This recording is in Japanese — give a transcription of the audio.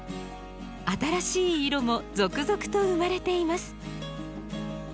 新しい色も続々と生まれています。